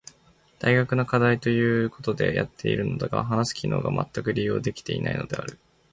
大学の課題と言うことでやっているのだが話す機能がまったく利用できていないのである。